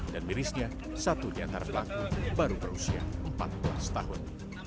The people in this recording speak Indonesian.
dan mirisnya satu di antara pelaku baru berusia empat belas tahun